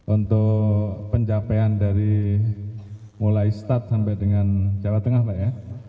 untuk pencapaian dari mulai start sampai dengan jawa tengah pak ya